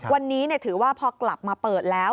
วันนี้ถือว่าพอกลับมาเปิดแล้ว